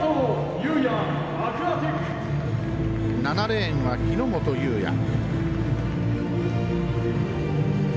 ７レーンは日本雄也。